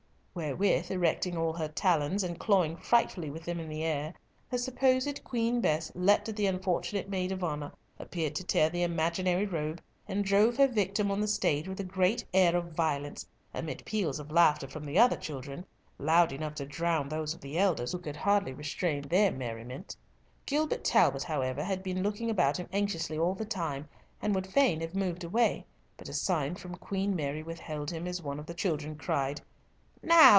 Wherewith, erecting all her talons, and clawing frightfully with them in the air, the supposed Queen Bess leapt at the unfortunate maid of honour, appeared to tear the imaginary robe, and drove her victim on the stage with a great air of violence, amid peals of laughter from the other children, loud enough to drown those of the elders, who could hardly restrain their merriment. Gilbert Talbot, however, had been looking about him anxiously all the time, and would fain have moved away; but a sign from Queen Mary withheld him, as one of the children cried, "Now!